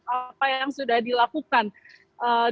apa yang sudah dilakukan ratu elizabeth